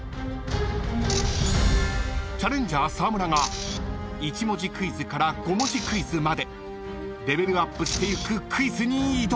［チャレンジャー沢村が１文字クイズから５文字クイズまでレベルアップしていくクイズに挑む］